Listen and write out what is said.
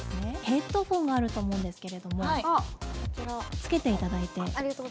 ヘッドホンがあると思うんですけれどもつけていただいて。